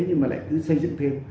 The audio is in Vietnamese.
nhưng mà lại cứ xây dựng thêm